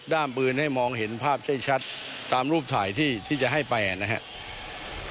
ปืนให้มองเห็นภาพได้ชัดตามรูปถ่ายที่จะให้ไปนะครับ